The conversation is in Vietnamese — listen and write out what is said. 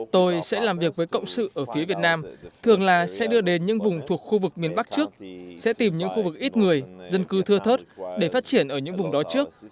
tôi sẽ làm việc với cộng sự ở phía việt nam thường là sẽ đưa đến những vùng thuộc khu vực miền bắc trước sẽ tìm những khu vực ít người dân cư thưa thớt để phát triển ở những vùng đó trước